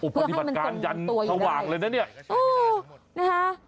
เพื่อให้มันตรงตัวอยู่ด้วยโอ้ปฏิบัติการยันต์สว่างเลยนะเนี่ยโอ้นะฮะ